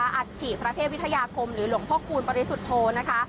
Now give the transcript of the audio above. อัฐิพระเทพวิทยาคมหรือหลวงพ่อคูณปริสุทธโธนะคะ